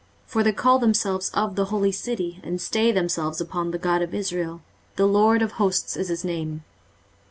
23:048:002 For they call themselves of the holy city, and stay themselves upon the God of Israel; The LORD of hosts is his name.